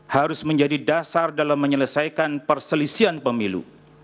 harus menjadi dasar dalam menyelesaikan perselisian pemilu